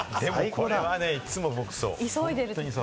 これ、いつも僕、そう。